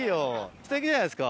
すてきじゃないですか。